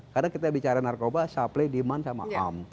karena kita bicara narkoba supply demand sama arm